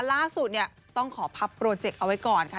ล่าสุดเนี่ยต้องขอพับโปรเจกต์เอาไว้ก่อนค่ะ